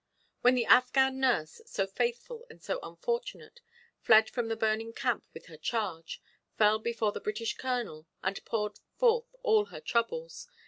Then the Affghan nurse, so faithful and so unfortunate, fled from the burning camp with her charge, fell before the British colonel, and poured forth all her troubles.